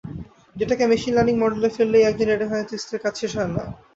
Data কে machine learning মডেলে ফেললেই একজন ডেটা সাইন্টিস্ট এর কাজ শেষ হয় না।